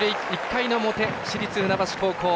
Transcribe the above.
１回の表、市立船橋高校。